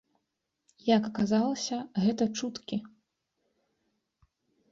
Як аказалася, гэта чуткі.